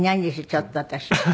ちょっと私。